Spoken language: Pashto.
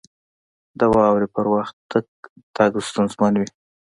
• د واورې پر وخت تګ ستونزمن وي.